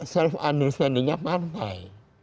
self understandingnya pantai